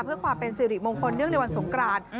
เพื่อความเป็นสิริมงคลเนื่องในวันสงกราน